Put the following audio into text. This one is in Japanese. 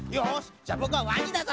じゃあぼくはワニだぞ。